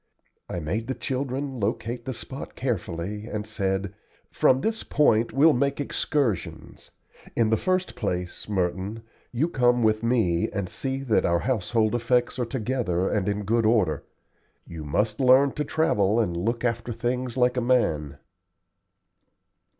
I made the children locate the spot carefully, and said: "From this point we'll make excursions. In the first place, Merton, you come with me and see that all our household effects are together and in good order. You must learn to travel and look after things like a man."